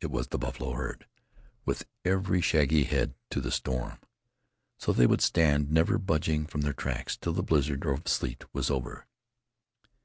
It was the buffalo herd, with every shaggy head to the storm. So they would stand, never budging from their tracks, till the blizzard of sleet was over.